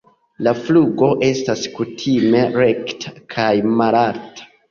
La flugo estas kutime rekta kaj malalta.